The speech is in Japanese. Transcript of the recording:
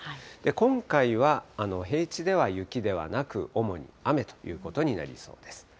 今回は平地では雪ではなく、主に雨ということになりそうです。